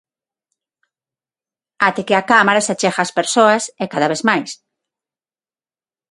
Até que a cámara se achega ás persoas, e cada vez máis.